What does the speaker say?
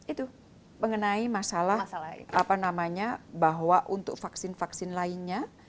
itu mengenai masalah apa namanya bahwa untuk vaksin vaksin lainnya